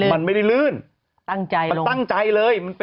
มันไม่ได้ลื่นมันตั้งใจเลย